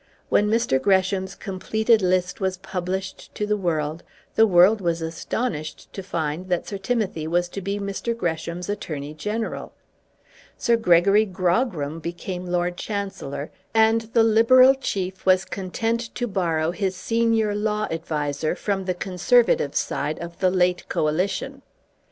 When Mr. Gresham's completed list was published to the world, the world was astonished to find that Sir Timothy was to be Mr. Gresham's Attorney General. Sir Gregory Grogram became Lord Chancellor, and the Liberal chief was content to borrow his senior law adviser from the Conservative side of the late Coalition.